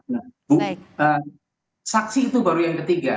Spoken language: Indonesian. nah bu saksi itu baru yang ketiga